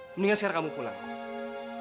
mendingan sekarang kamu pulang